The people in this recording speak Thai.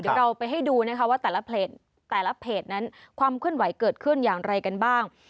เดี๋ยวเราไปให้ดูนะคะว่าแต่ละเพจแต่ละเพจนั้นความเคลื่อนไหวเกิดขึ้นอย่างไรกันบ้าง